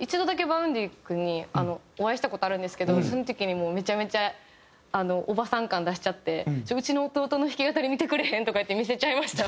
一度だけＶａｕｎｄｙ君にお会いした事あるんですけどその時にめちゃめちゃおばさん感出しちゃって「うちの弟の弾き語り見てくれへん？」とか言って見せちゃいました。